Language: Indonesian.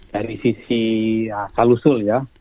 dari sisi salusul ya